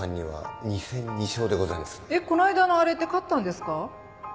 えっこの間のあれって勝ったんですか？